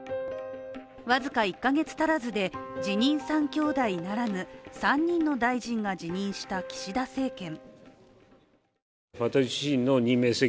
僅か１か月足らずで辞任３兄弟ならぬ３人の大臣が辞任した岸田政権。